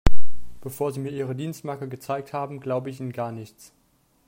Bevor Sie mir Ihre Dienstmarke gezeigt haben, glaube ich Ihnen gar nichts.